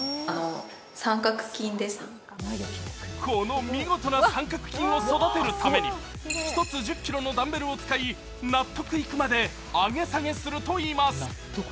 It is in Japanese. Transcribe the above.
この見事な三角筋を育てるために１つ１０ｋｇのダンベルを使い納得いくまで上げ下げするといいます。